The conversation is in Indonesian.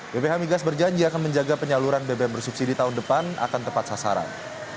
bph migas berjanji akan menjaga penyaluran bbm bersubsidi tahun depan akan tepat sasaran